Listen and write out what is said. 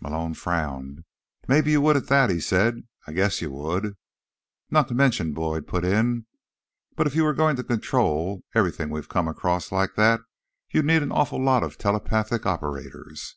Malone frowned. "Maybe you would at that," he said. "I guess you would." "Not to mention," Boyd put in, "that if you were going to control everything we've come across like that you'd need an awful lot of telepathic operators."